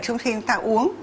chúng ta uống